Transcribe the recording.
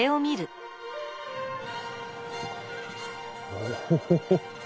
オホホホ！